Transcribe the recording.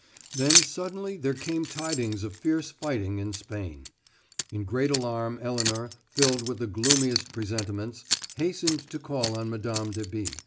Then, suddenly, there came tidings of fierce fighting in Spain. In great alarm Elinor, filled with the gloomiest presentiments, hastened to call on Mme. de B.